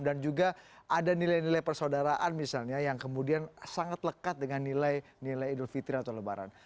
dan juga ada nilai nilai persaudaraan misalnya yang kemudian sangat lekat dengan nilai nilai idul fitri atau lebaran